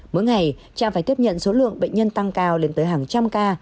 mỗi ngày cha phải tiếp nhận số lượng bệnh nhân tăng cao lên tới hàng trăm ca